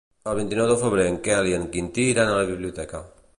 El vint-i-nou de febrer en Quel i en Quintí iran a la biblioteca.